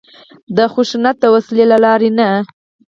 د خشونت د وسلې له لارې نه.